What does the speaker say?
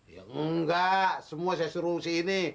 ya enggak semua saya suruh si ini